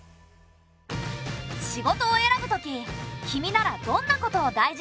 仕事を選ぶとき君ならどんなことを大事にするかな？